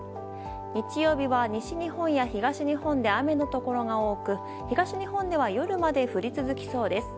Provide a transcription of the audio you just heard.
日曜日は、西日本や東日本で雨のところが多く東日本では夜まで降り続きそうです。